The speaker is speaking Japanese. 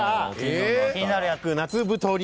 気になる夏太り。